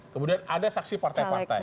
kemudian ada saksi partai partai